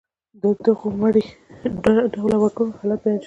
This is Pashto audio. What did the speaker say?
د دغو مري ډوله وګړو حالت بیان شوی دی.